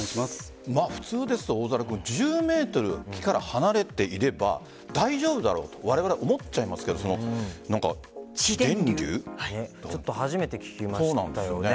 普通ですと１０ｍ木から離れていれば大丈夫だろうとわれわれ、思っちゃうんですけど初めて聞きましたよね。